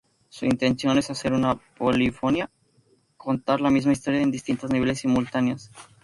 Su intención es hacer una polifonía, contar la misma historia en distintos niveles simultáneos.